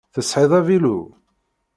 Tesɛiḍ avilu?